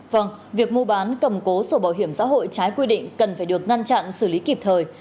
vâng việc mua bán cầm cố sổ bảo hiểm xã hội trái quy định cần phải được ngăn chặn xử lý kịp thời